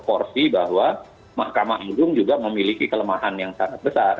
porsi bahwa mahkamah agung juga memiliki kelemahan yang sangat besar